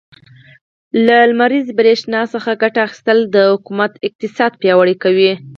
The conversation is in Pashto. له لمريزې برښنا څخه ګټه اخيستل, د حکومت اقتصاد پياوړی کوي.